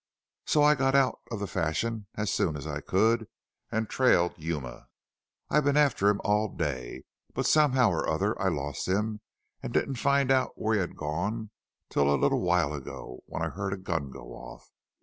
So I got out of the Fashion as soon as I could an' trailed Yuma. I've been after him all day, but somehow or other I lost him an' didn't find out where he'd gone till a little while ago when I heard a gun go off.